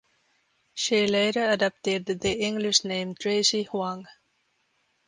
She later adopted the English name Tracy Huang.